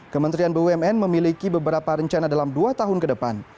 kementerian bumn memiliki beberapa rencana dalam dua tahun ke depan